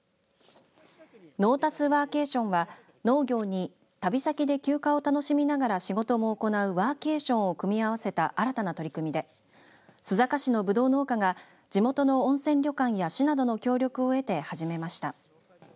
ノウタスワーケーションは農業に旅先で休暇を楽しみながら仕事も行うワーケーションを組み合わせた新たな取り組みで須坂市のぶどう農家が地元の温泉旅館や市などの協力を得て始めました。